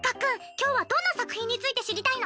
今日はどんな作品について知りたいの？